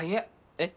えっ？